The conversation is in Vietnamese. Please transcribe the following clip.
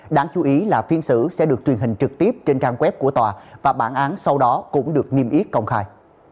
đáng chú ý là phiên xử sẽ được truyền hình trực tiếp trên trang web của tòa và bản án sau đó cũng được niêm yết công khai